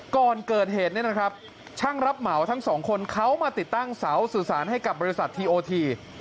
ก่อนเกิดเหตุเนี่ยนะครับช่างรับเหมาทั้งสองคนเขามาติดตั้งเสาสื่อสารให้กับบริษัททีโอที